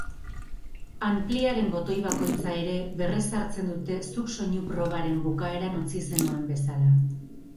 Anpliaren botoi bakoitza ere berrezartzen dute zuk soinu probaren bukaera utzi zenuen bezala.